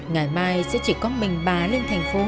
ngày mai sẽ chỉ có mình bà lên thành phố